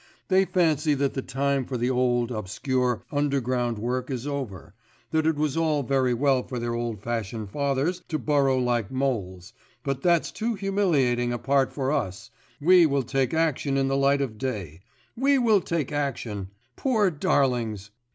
They fancy that the time for the old, obscure, underground work is over, that it was all very well for their old fashioned fathers to burrow like moles, but that's too humiliating a part for us, we will take action in the light of day, we will take action.... Poor darlings!